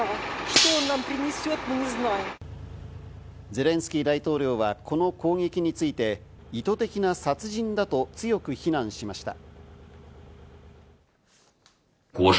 ゼレンスキー大統領はこの攻撃について、意図的な殺人だと強く非難しました。